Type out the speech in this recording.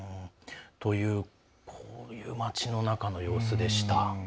こういう街の中の様子でした。